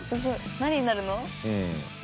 何になるの？